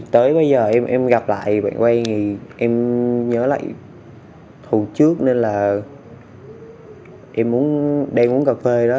tới bây giờ em gặp lại bạn quang thì em nhớ lại hồi trước nên là em đang uống cà phê đó